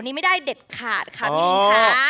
นี่ไม่ได้เด็ดขาดค่ะพี่ลิงค่ะ